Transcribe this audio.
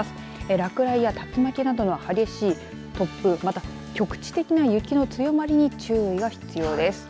落雷や竜巻などの激しい突風また局地的な雪の強まりに注意が必要です。